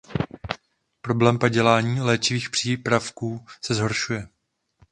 Problém padělání léčivých přípravků se zhoršuje.